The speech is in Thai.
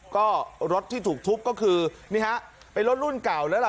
ก็รถที่ถูกทุบก็คือนี่ฮะเป็นรถรุ่นเก่าแล้วล่ะ